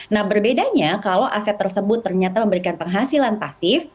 nah berbedanya kalau aset tersebut ternyata memberikan penghasilan pasif